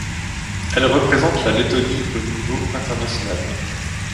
Elle représente la Lettonie au niveau international.